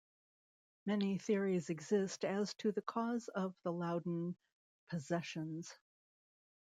Many theories exist as to the cause of the Loudun "possessions".